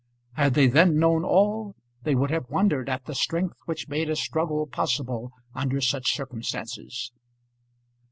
Had they then known all, they would have wondered at the strength which made a struggle possible under such circumstances.